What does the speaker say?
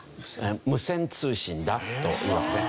無線通信だというわけですね。